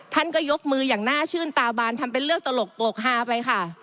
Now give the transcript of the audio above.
ท่านก็ยกมืออย่างน่าชื่นตาบานทำเป็นเลือกตลกโปรกฮาไปค่ะ